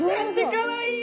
かわいい！